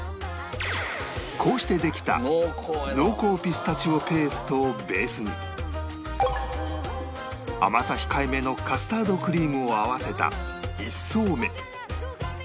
こうしてできた濃厚ピスタチオペーストをベースに甘さ控えめのカスタードクリームを合わせた１層目